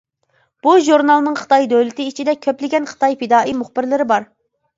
بۇ ژۇرنالنىڭ خىتاي دۆلىتى ئىچىدە كۆپلىگەن خىتاي پىدائىي مۇخبىرلىرى بار.